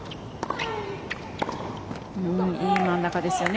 いい真ん中ですよね。